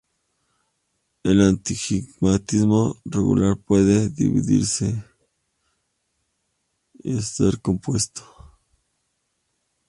El astigmatismo regular puede dividirse en dos grupos: simple y compuesto.